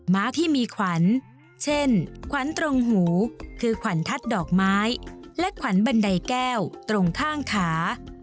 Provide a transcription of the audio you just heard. ้าที่มีขวัญเช่นขวัญตรงหูคือขวัญทัศน์ดอกไม้และขวัญบันไดแก้วตรงข้างขา